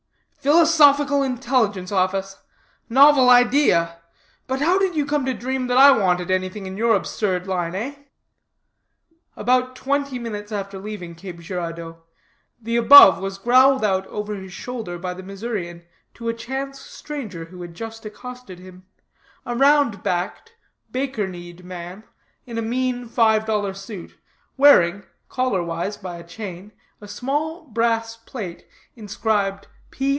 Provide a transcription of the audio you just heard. "'Philosophical Intelligence Office' novel idea! But how did you come to dream that I wanted anything in your absurd line, eh?" About twenty minutes after leaving Cape Girádeau, the above was growled out over his shoulder by the Missourian to a chance stranger who had just accosted him; a round backed, baker kneed man, in a mean five dollar suit, wearing, collar wise by a chain, a small brass plate, inscribed P.